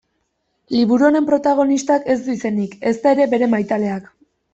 Liburu honen protagonistak ez du izenik ezta ere bere maitaleak.